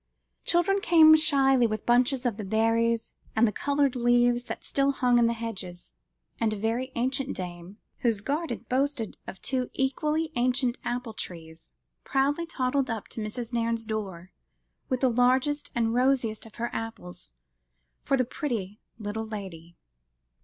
Children came shyly with bunches of the berries and coloured leaves that still hung in the hedges, and a very ancient dame whose garden boasted of two equally ancient apple trees, proudly toddled up to Mrs. Nairne's door with the largest and rosiest of her apples, for the "pretty little lady."